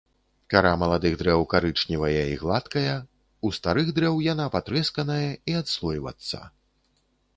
Кара маладых дрэў карычневая і гладкая, у старых дрэў яна патрэсканая і адслойвацца.